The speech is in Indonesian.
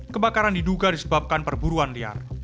kebakaran diduga disebabkan perburuan liar